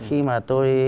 khi mà tôi